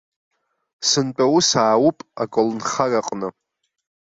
Сынтәа аус аауп аколнхараҟны.